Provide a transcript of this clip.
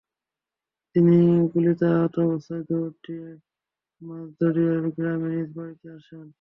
তিনি গুলিতে আহত অবস্থায় দৌড় দিয়ে মাঝাড়দিয়ার গ্রামে নিজ বাড়িতে আসেন।